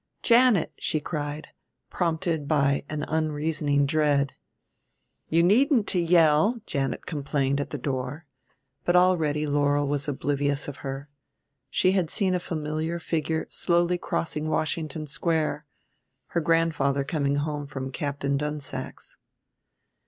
"Janet!" she cried, prompted by unreasoning dread. "You needn't to yell," Janet complained, at the door. But already Laurel was oblivious of her: she had seen a familiar figure slowly crossing Washington Square her grandfather coming home from Captain Dunsack's.